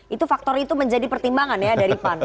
itu faktor itu menjadi pertimbangan ya dari pan